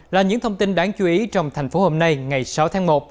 là những thông tin đáng chú ý trong thành phố hôm nay ngày sáu tháng một